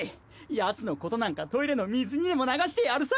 ヤツのことなんかトイレの水にでも流してやるさ。